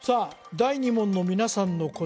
第２問の皆さんの答え